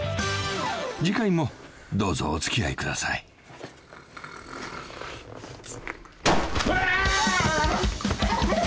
［次回もどうぞお付き合いください］わああ！